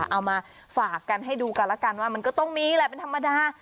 เอามาฝากกันให้ดูกันแล้วกันว่ามันก็ต้องมีแหละเป็นธรรมดา